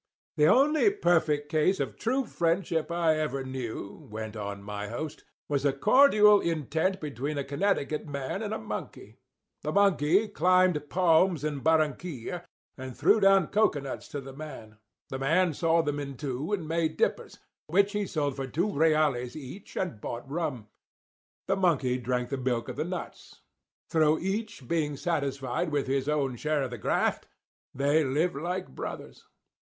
"The only perfect case of true friendship I ever knew," went on my host, "was a cordial intent between a Connecticut man and a monkey. The monkey climbed palms in Barranquilla and threw down cocoanuts to the man. The man sawed them in two and made dippers, which he sold for two reales each and bought rum. The monkey drank the milk of the nuts. Through each being satisfied with his own share of the graft, they lived like brothers.